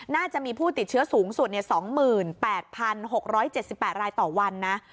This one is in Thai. น่าจะมีผู้ติดเชื้อสูงสุด๒๘๖๗๘รายต่อวันนะ